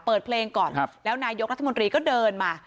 เปิดเพลงก่อนแล้วนายกรัฐมนตรีก็เดินมา